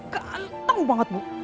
ganteng banget bu